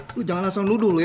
eh eh lu jangan rasa lu dulu ya